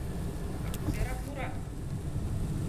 А кузерак мура?